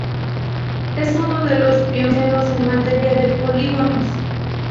Es uno de los pioneros en materia de polígonos.